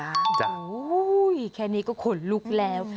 โอ้โหแค่นี้ก็ขนลุกแล้ว